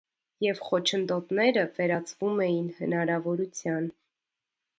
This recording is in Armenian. Եվ խոչընդոտները վերածվում էին հնարավորության։